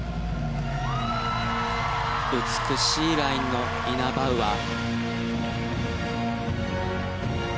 美しいラインのイナバウアー。